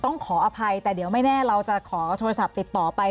ขออภัยแต่เดี๋ยวไม่แน่เราจะขอโทรศัพท์ติดต่อไป